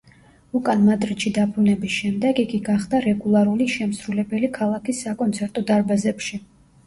უკან მადრიდში დაბრუნების შემდეგ, იგი გახდა რეგულარული შემსრულებელი ქალაქის საკონცერტო დარბაზებში.